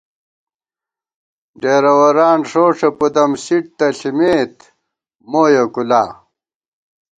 ڈېرَوَران ݭوݭےپُدم سِیٹ تہ ݪِمېت مو یېکُولا